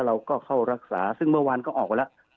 เราก็เข้ารักษาซึ่งเมื่อวานก็ออกไปแล้ว